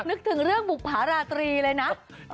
นึกถึงเรื่องบุภาราตรีเลยนะ